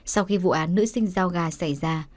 sau khi vụ án nữ sinh giao gà xảy ra